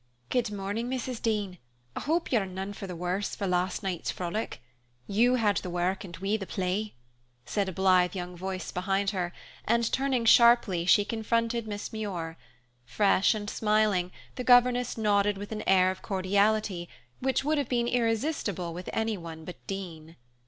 "Good morning, Mrs. Dean. I hope you are none the worse for last night's frolic. You had the work and we the play," said a blithe voice behind her; and turning sharply, she confronted Miss Muir. Fresh and smiling, the governess nodded with an air of cordiality which would have been irresistible with anyone but Dean.